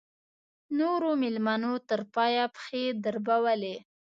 نورو مېلمنو تر پایه پښې دربولې.